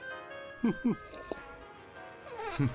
フフフ。